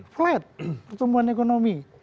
flat pertumbuhan ekonomi